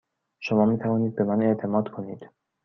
شما می توانید به من اعتماد کنید.